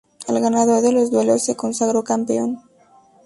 El ganador de los duelos se consagró campeón.